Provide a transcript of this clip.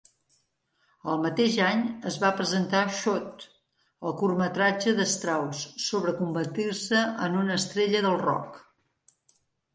El mateix any es va presentar "Shoot", el curtmetratge de Strauss sobre convertir-se en una estrella del rock.